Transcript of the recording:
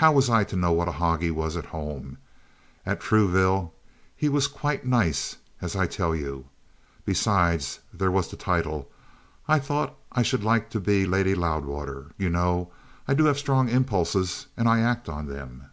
"How was I to know what a hog he was at home? At Trouville he was quite nice, as I tell you. Besides, there was the title I thought I should like to be Lady Loudwater. You know, I do have strong impulses, and I act on them."